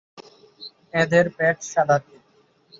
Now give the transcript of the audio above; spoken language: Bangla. এদের পেট সাদাটে।